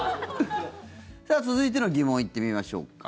続いての疑問行ってみましょうか。